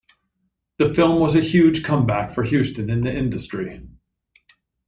This film was a huge comeback for Houston in the industry.